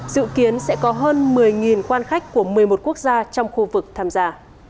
dự kiến sẽ có hơn một mươi quan khách của một mươi một quốc gia trong khu vực tham gia